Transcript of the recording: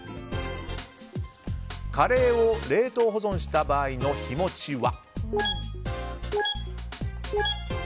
カレーを冷凍保存した場合の日持ちは。